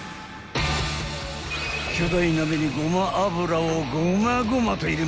［巨大鍋にごま油をごまごまと入れましたら］